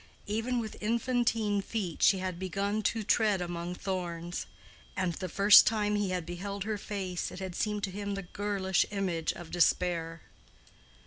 Even with infantine feet she had begun to tread among thorns; and the first time he had beheld her face it had seemed to him the girlish image of despair.